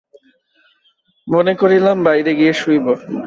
মনে করিলাম, বাহিরে গিয়া শুইব।